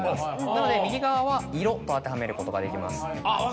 なので右側は「いろ」と当てはめることができます。